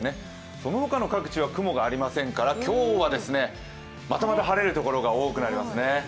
その他の各地は雲がありませんから今日はまたまた晴れる所が多くなりますね。